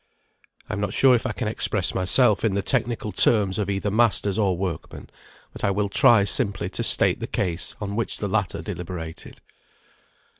I am not sure if I can express myself in the technical terms of either masters or workmen, but I will try simply to state the case on which the latter deliberated.